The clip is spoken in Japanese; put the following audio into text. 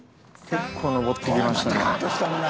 結構上ってきましたね。